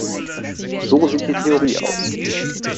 So sieht die Theorie aus.